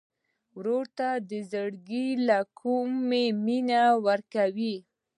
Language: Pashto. ورور ته د زړګي له کومي مینه ورکوې.